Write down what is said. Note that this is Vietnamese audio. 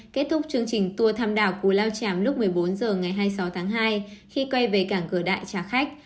kết thúc chương trình tour thăm đảo cù lao chàm lúc một mươi bốn h ngày hai mươi sáu tháng hai khi quay về cảng cửa đại trả khách